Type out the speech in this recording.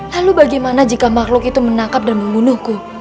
lalu bagaimana jika makhluk itu menangkap dan membunuhku